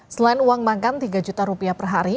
selain uang makan tiga juta rupiah per hari